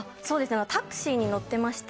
タクシーに乗ってまして。